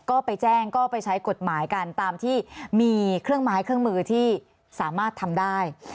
ก็ไปแจ้งก็ไปใช้กฎหมายกันตามที่มีเครื่องไม้เครื่องมือที่สามารถทำได้